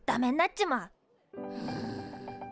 うん。